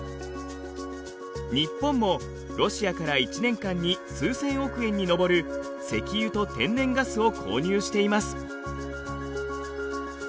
日本もロシアから１年間に数千億円に上る石油と天然ガスを購入しています。